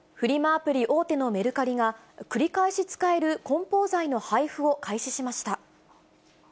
アプリ大手のメルカリが、繰り返し使えるこん包材の配布を開始しました。